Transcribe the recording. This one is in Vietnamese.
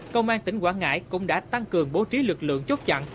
công an tỉnh quảng ngãi cũng đã tăng cường bố trí lực lượng chốt chặn